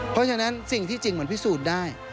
เพราะฉะนั้นสิ่งที่จริงมันพิสูจน์ได้